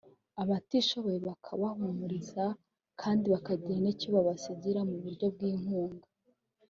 abatishoboye bakabahumuriza kandi bakagira n’icyo babasigira mu buryo bw’inkunga